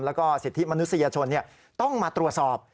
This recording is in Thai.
แล้วก็สิทธิมนุษยชนต้องมาตรวจสอบ